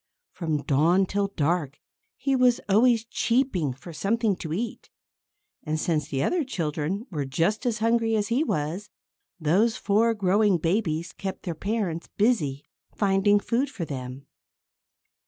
From dawn till dark, he was always cheeping for something to eat. And since the other children were just as hungry as he was, those four growing babies kept their parents busy finding food for them.